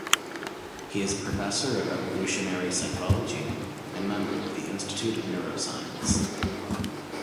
He is Professor of evolutionary psychology and member of the Institute of Neuroscience.